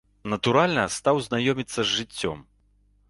Натуральна, стаў знаёміцца з жыццём.